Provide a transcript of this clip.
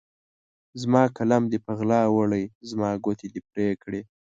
زما قلم دې په غلا وړی، زما ګوتې دي پرې کړي